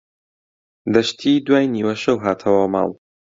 دەشتی دوای نیوەشەو هاتەوە ماڵ.